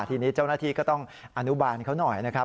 ทีนี้เจ้าหน้าที่ก็ต้องอนุบาลเขาหน่อยนะครับ